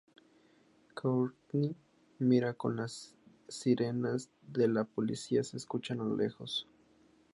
Courtney mira como las sirenas de la policía se escuchan a lo lejos.